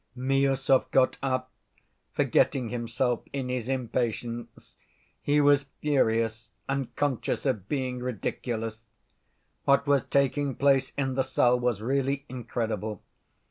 Miüsov got up, forgetting himself in his impatience. He was furious, and conscious of being ridiculous. What was taking place in the cell was really incredible.